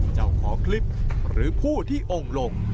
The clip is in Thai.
เจ้าของคลิปหรือผู้ที่องค์ลง